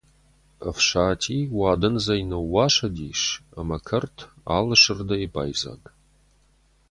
Ӕфсати уадындзӕй ныууасыдис, ӕмӕ кӕрт алы сырдӕй байдзаг.